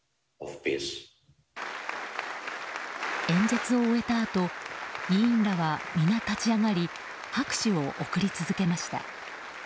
演説を終えたあと議員らは、皆立ち上がり拍手を送り続けました。